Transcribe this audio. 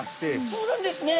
そうなんですね。